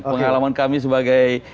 pengalaman kami sebagai